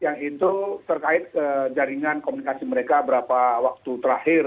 yang itu terkait jaringan komunikasi mereka berapa waktu terakhir